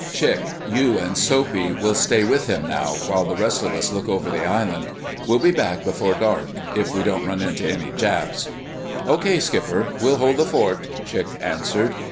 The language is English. Chick, you and Soapy will stay with him now, while the rest of us look over the island. We'll be back before dark if we don't run into any Japs." "Okay, Skipper—we'll hold the fort," Chick answered.